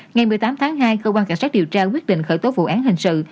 ngày một mươi tám tháng hai cơ quan cảnh sát điều tra quyết định khởi tố vụ án hình sự